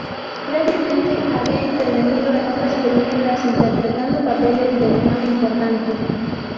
Previamente había intervenido en otras películas interpretando papeles de menor importancia.